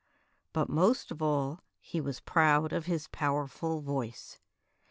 But most of all he was proud of his powerful voice.